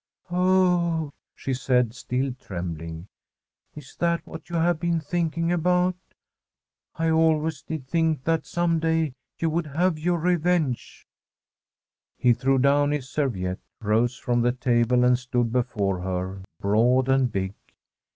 * Oh,' she said, still trembling, ' is that what you have been thinking about? I always did Tbi INSCRIPTION m the GRAVE think that some day you would have your re venge/ He threw down his serviette, rose from the table, and stood before her, broad and big.